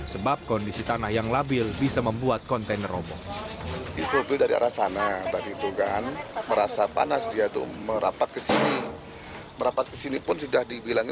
sebab kondisi tanah yang labil bisa membuat kontainer roboh